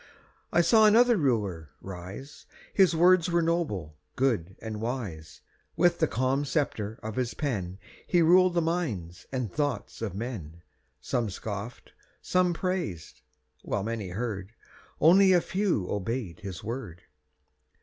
I saw another Ruler rise His words were noble, good, and wise; With the calm sceptre of his pen He ruled the minds and thoughts of men; Some scoffed, some praised while many heard, Only a few obeyed his word.